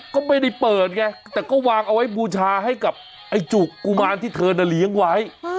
ก็ไม่ได้เปิดไงแต่ก็วางเอาไว้บูชาให้กับไอ้จุกกุมารที่เธอน่ะเลี้ยงไว้